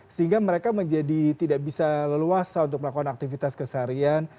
sehingga mereka menjadi tidak bisa leluasa untuk melakukan aktivitas keseharian